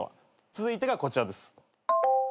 続いてがこちらです。